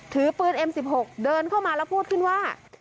ถือปืนเอ็มสิบหกเดินเข้ามาแล้วพูดขึ้นว่า